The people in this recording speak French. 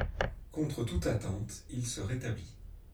Contre toute attente, il se rétablit.